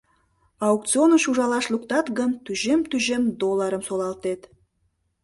Аукционыш ужалаш луктат гын, тӱжем-тӱжем долларым солалтет...